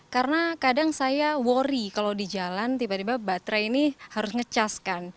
karena kadang saya worry kalau di jalan tiba tiba baterai ini harus nge charge kan